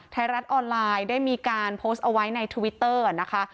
ไทยรัฐออนไลน์ได้มีการโพสต์เอาไว้ในทวิตเตอร์นะคะ